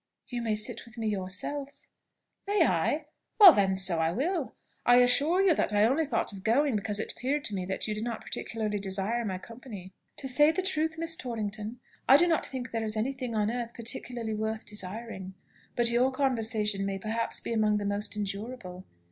"You may sit with me yourself." "May I? Well, then, so I will. I assure you that I only thought of going because it appeared to me that you did not particularly desire my company." "To say the truth, Miss Torrington, I do not think there is any thing on earth particularly worth desiring; but your conversation may perhaps be amongst the most endurable.